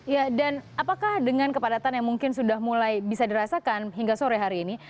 ya dan apakah dengan kepadatan yang mungkin sudah mulai bisa dirasakan hingga sore hari ini